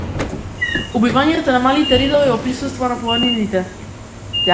Убивање на малите ридови во присуство на планините.